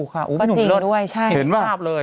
ก็จริงด้วยใช่เห็นภาพเลย